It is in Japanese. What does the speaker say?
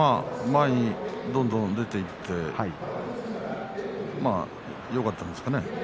前に竜電がどんどん出ていってよかったですね。